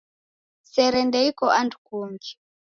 Sere ndeiko andu kungi.